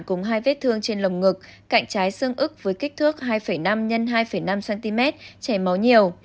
cùng hai vết thương trên lồng ngực cạnh trái xương ức với kích thước hai năm x hai năm cm chảy máu nhiều